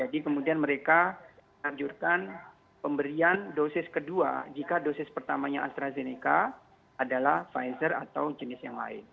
jadi kemudian mereka menarjurkan pemberian dosis kedua jika dosis pertamanya astrazeneca adalah pfizer atau jenis yang lain